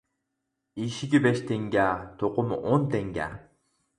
«ئېشىكى بەش تەڭگە، توقۇمى ئون تەڭگە» .